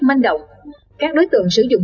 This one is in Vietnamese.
manh động các đối tượng sử dụng